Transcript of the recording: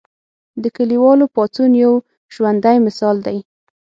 د کلیوالو پاڅون یو ژوندی مثال دی.